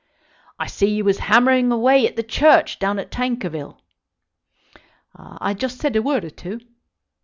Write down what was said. "I see you was hammering away at the Church down at Tankerville." "I just said a word or two."